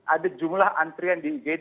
ada jumlah antrian di igd